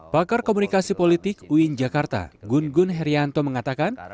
perkomunikasi politik uin jakarta gun gun herianto mengatakan